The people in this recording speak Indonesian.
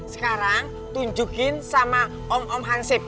sekarang tunjukin sama om om hansip